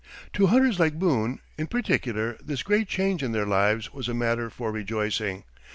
To hunters like Boone, in particular, this great change in their lives was a matter for rejoicing.